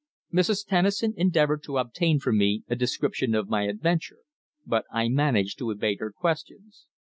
Mrs. Tennison endeavoured to obtain from me a description of my adventure, but I managed to evade her questions.